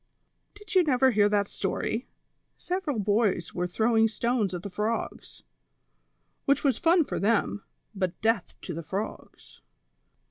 "Did you never hear that stoiT ? Several boys were throwing stones at the frogs, whicli was fun for them, but death to the frogs."